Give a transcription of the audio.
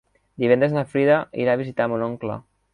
Divendres na Frida irà a visitar mon oncle.